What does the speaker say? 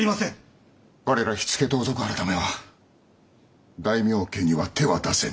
我ら火付盗賊改は大名家には手は出せん。